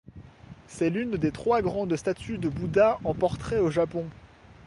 C'est l'une des trois grandes statues de Bouddha en portrait au Japon.